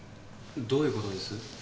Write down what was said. どういう事です？